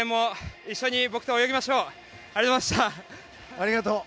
ありがとう。